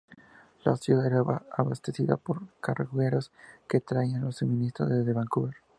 La ciudad era abastecida por cargueros que traían los suministros desde Vancouver.